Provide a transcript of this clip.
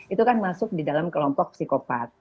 itu kan masuk di dalam kelompok psikopat